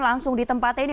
langsung di tempat ini